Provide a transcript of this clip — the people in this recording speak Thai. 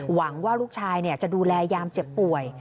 หวังว่าลูกชายจะดูแลยามเจ็บป่วย